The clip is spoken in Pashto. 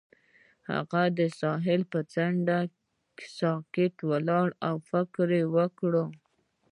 هغه د ساحل پر څنډه ساکت ولاړ او فکر وکړ.